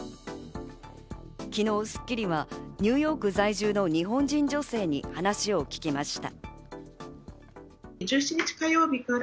昨日『スッキリ』はニューヨーク在住の日本人女性に話を聞きました。